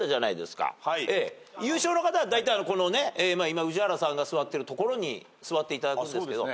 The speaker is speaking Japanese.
優勝の方はだいたい今宇治原さんが座ってる所に座っていただくんですけど。